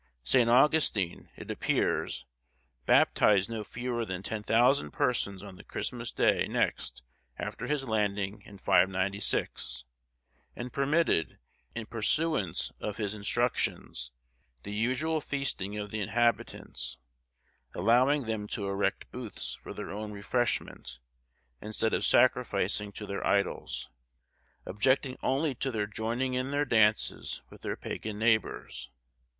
St. Augustin, it appears, baptized no fewer than 10,000 persons on the Christmas day next after his landing in 596, and permitted, in pursuance of his instructions, the usual feasting of the inhabitants, allowing them to erect booths for their own refreshment, instead of sacrificing to their idols,—objecting only to their joining in their dances with their pagan neighbours.